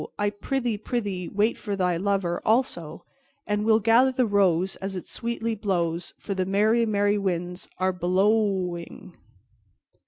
I prythee, prythee, wait for thy lover also, And we'll gather the rose As it sweetly blows, For the merry, merry winds are blo o o wing_."